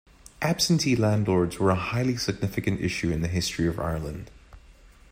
Absentee landlords were a highly significant issue in the history of Ireland.